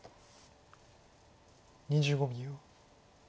２５秒。